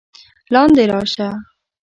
لاندې راشه!